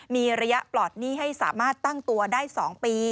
มีระยะปลอดหนี้ให้สามารถตั้งตัวได้๒ปี